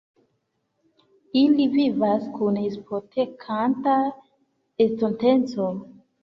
Ili vivas kun hipotekanta estonteco.